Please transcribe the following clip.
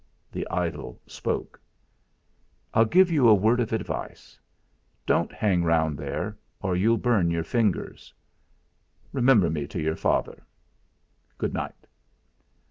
The idol spoke: "I'll give you a word of advice. Don't hang round there, or you'll burn your fingers. Remember me to your father. Good night!"